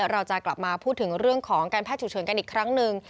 เราจะกลับมาพูดถึงเรื่องของการแพทย์ฉุกเฉินกันอีกครั้งหนึ่ง